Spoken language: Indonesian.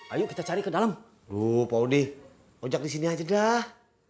ayo kita cari ke dalam lupa odi ojak disini aja dah